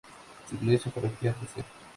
Su iglesia parroquial, St.